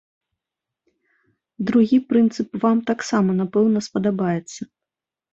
Другі прынцып вам таксама напэўна спадабаецца.